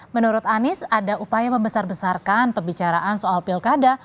menurut anies ada upaya membesar besarkan pembicaraan soal pilkada